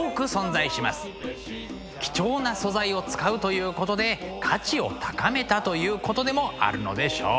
貴重な素材を使うということで価値を高めたということでもあるのでしょう。